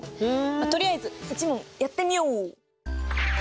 とりあえず１問やってみよう。